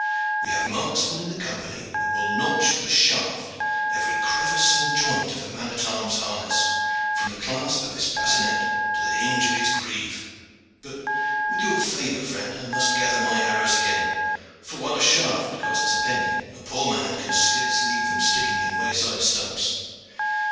We have marksmen in the Company who will notch with a shaft every crevice and joint of a man at arm's harness, from the clasp of his bassinet to the hinge of his greave. But, with your favor, friend, I must gather my arrows again, for while a shaft costs a penny a poor man can scarce leave them sticking in wayside stumps.